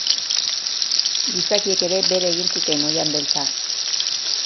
Gizakiek ere bere egin zuten Oihan Beltza.